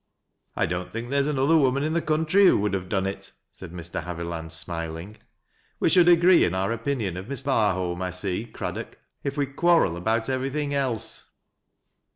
"" I don't think there is another woman in the country who would have doi.e it," said Mr. Haviland smiling " We shall agree in our opinion of Miss Barholm, I sec Oraddock, if we quarrel about everything else."